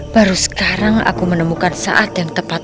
baru sekarang aku menemukan saat yang tepat